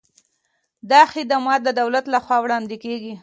دا خدمات د دولت له خوا وړاندې کیږي.